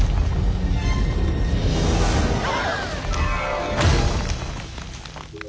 あ！